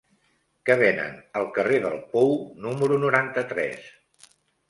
Què venen al carrer del Pou número noranta-tres?